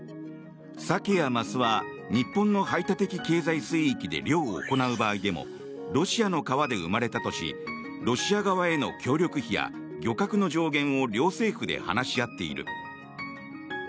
サケやマスは日本の排他的経済水域で漁を行う場合でもロシアの川で生まれたとしロシア側への協力費や漁獲の上限を両政府で話し合っている。